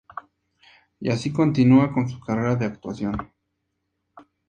Y así continua con su carrera de actuación.